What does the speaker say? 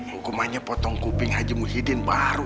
hukumannya potong kuping haji muhyiddin baru